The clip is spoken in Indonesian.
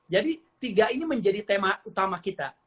jadi tiga ini menjadi tema utama kita